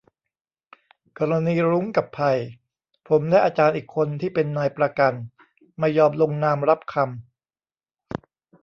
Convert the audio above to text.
กรณีรุ้ง กับไผ่ ผมและอาจารย์อีกคนที่เป็นนายประกันไม่ยอมลงนามรับคำ